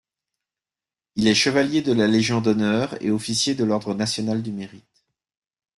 Il est chevalier de la Légion d'honneur et officier de l'ordre national du Mérite.